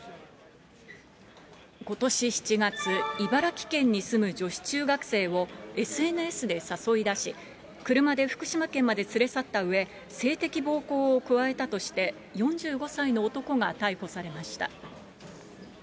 ことし７月、茨城県に住む女子中学生を、ＳＮＳで誘い出し、車で福島県まで連れ去ったうえ、性的暴行を加えたとして、４５歳の男が逮捕されました。